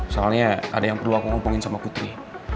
soalnya ada yang perlu aku ngumpulin sama putri